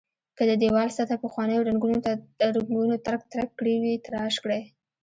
که د دېوال سطحه پخوانیو رنګونو ترک ترک کړې وي تراش کړئ.